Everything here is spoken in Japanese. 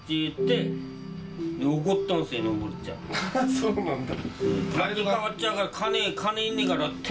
そうなんだ。